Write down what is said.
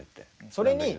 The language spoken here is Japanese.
それに。